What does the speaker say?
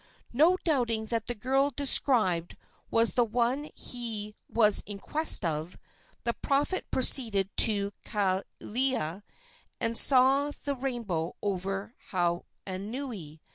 Not doubting that the girl described was the one he was in quest of, the prophet proceeded to Kawela and saw the rainbow over Hawanui.